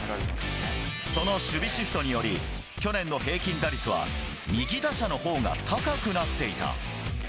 その守備シフトにより、去年の平均打率は右打者のほうが高くなっていた。